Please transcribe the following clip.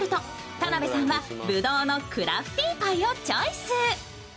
田辺さんはぶどうのクラフティーパイをチョイス。